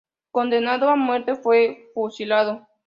Condenado a muerte, fue fusilado.